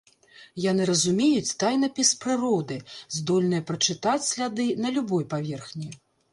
Яны разумеюць тайнапіс прыроды, здольныя прачытаць сляды на любой паверхні.